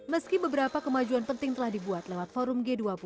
meski beberapa kemajuan penting telah dibuat lewat forum g dua puluh